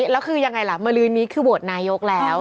แล้วคือยังไงล่ะมาลืนนี้คือโหวตนายกแล้ว